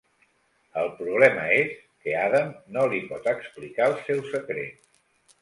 El problema és que Adam no li pot explicar el seu secret.